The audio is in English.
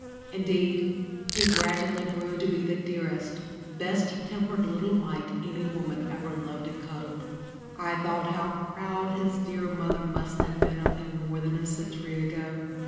Indeed, he gradually grew to be the dearest, best tempered little mite any woman ever loved and cuddled. I thought how proud his dear mother must have been of him more than a century ago.